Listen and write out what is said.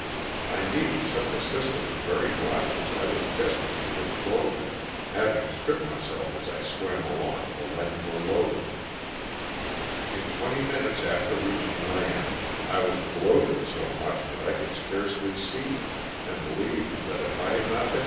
I needed such assistance very much as I was destitute of clothing, having stripped myself as I swam along to lighten the load. In twenty minutes after reaching land I was bloated so much that I could scarcely see, and believe that if I had not been ca.